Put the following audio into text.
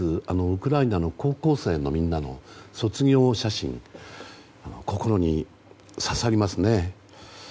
ウクライナの高校生のみんなの卒業写真心に刺さりますね。